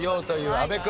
阿部君。